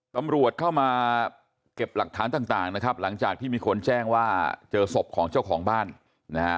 ตำรวจเข้ามาเก็บหลักฐานต่างนะครับหลังจากที่มีคนแจ้งว่าเจอศพของเจ้าของบ้านนะฮะ